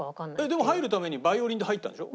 でも入るためにヴァイオリンで入ったんでしょ？